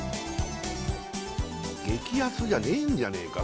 激安じゃねえんじゃねえか？